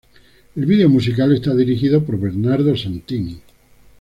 El video musical está dirigido por Bernardo Santini.